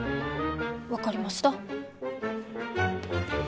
分かりました。